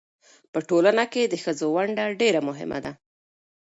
په ټولنه کې د ښځو ونډه ډېره مهمه ده.